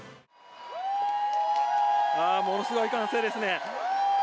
ものすごい歓声ですね。